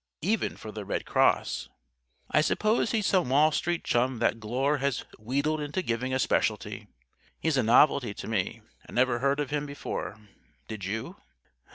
Even for the Red Cross. I suppose he's some Wall Street chum that Glure has wheedled into giving a Specialty. He's a novelty to me. I never heard of him before. Did you?"